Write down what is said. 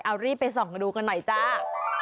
เอารีบไปส่องดูกันหน่อยจ้า